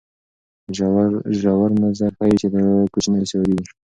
ژور نظر ښيي چې دا کوچنۍ سیارې دي.